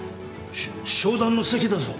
商談の席だぞ。